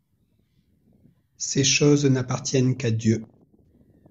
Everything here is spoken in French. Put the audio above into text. Ces choses n’appartiennent qu’à Dieu.